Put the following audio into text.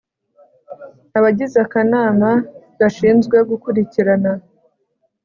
Abagize Akanama gashinzwe gukurikirana